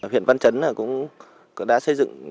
huyện văn chấn đã xây dựng